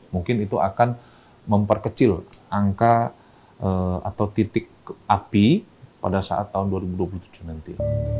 mungkin itu akan memperkecil angka atau titik api pada saat tahun dua ribu dua puluh tujuh nanti